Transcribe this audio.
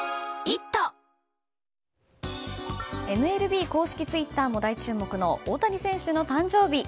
ＭＬＢ公式ツイッターも大注目の大谷選手の誕生日。